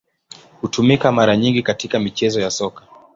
Hutumika mara nyingi katika michezo ya Soka.